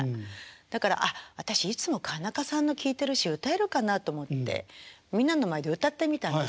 だから「ああ私いつも川中さんの聴いてるし歌えるかな？」と思ってみんなの前で歌ってみたんです